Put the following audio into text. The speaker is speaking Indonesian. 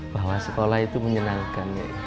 bahwa sekolah itu menyenangkan